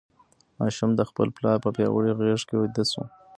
ماشوم د خپل پلار په پیاوړې غېږ کې ویده شو.